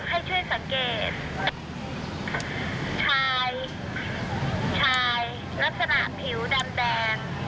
ให้ช่วยสังเกตชายชายลักษณะผิวดำแดง